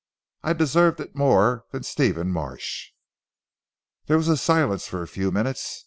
I deserve it more than Stephen Marsh." There was silence for a few minutes.